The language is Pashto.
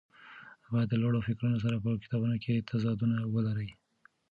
باید د لوړو فکرونو سره په کتابونو کې تضادونه ولري.